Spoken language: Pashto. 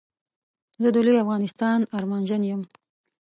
زه د لوي افغانستان ارمانژن يم